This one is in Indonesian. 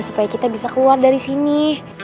supaya kita bisa keluar dari sini